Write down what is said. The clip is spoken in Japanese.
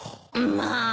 まあ！